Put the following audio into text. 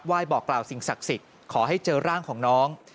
บอกกล่าวสิ่งศักดิ์สิทธิ์ขอให้เจอร่างของน้อง